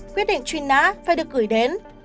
quyết định trùy ná phải được gửi đến